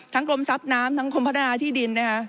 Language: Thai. ทั้งกรมทรัพย์น้ำทั้งกรมพัฒนาที่ดิน